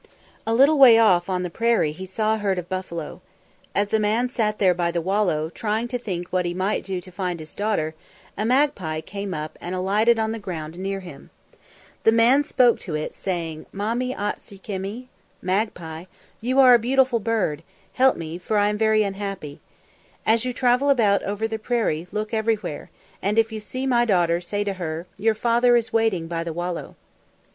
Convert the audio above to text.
A little way off on the prairie he saw a herd of buffalo. As the man sat there by the wallow, trying to think what he might do to find his daughter, a magpie came up and alighted on the ground near him. The man spoke to it, saying, "M[)a]m [=i] [)a]t´s[=i] k[)i]m[)i] Magpie you are a beautiful bird; help me, for I am very unhappy. As you travel about over the prairie, look everywhere, and if you see my daughter say to her, 'Your father is waiting by the wallow.'"